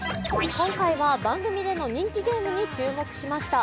今回は番組での人気ゲームに注目しました。